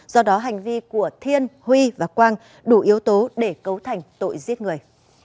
do đó hành vi của thiên huy và quang đủ yếu tố để cấu thành tội giết người